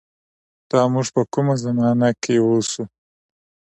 دا مونږ په کومه زمانه کښې اوسو